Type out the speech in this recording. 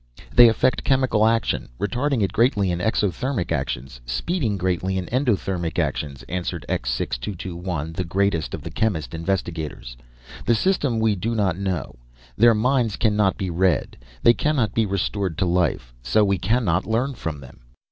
"They affect chemical action, retarding it greatly in exothermic actions, speeding greatly endothermic actions," answered X 6221, the greatest of the chemist investigators. "The system we do not know. Their minds cannot be read, they cannot be restored to life, so we cannot learn from them."